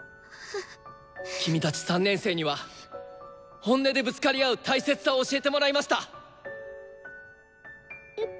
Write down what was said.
君たち３年生には本音でぶつかり合う大切さを教えてもらいました。